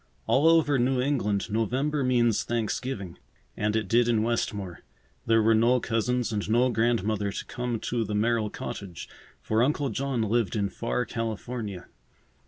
All over New England November means Thanksgiving, and it did in Westmore. There were no cousins and no grandmother to come to the Merrill cottage, for Uncle John lived in far California.